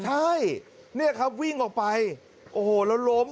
ใช่เนี่ยครับวิ่งออกไปโอ้โหแล้วล้ม